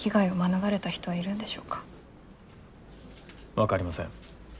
分かりません。